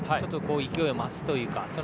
勢いが増すというか。